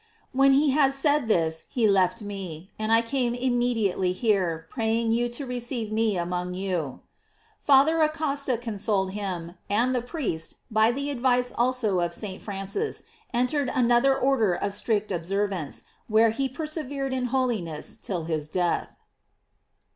When he had said this he left me, and I came immediately here, praying you to receive me among you." Father Acosta consoled him, and the priest, by the advice also of St. Francis, entered another order of strict observance, where he persevered in holiness till his death.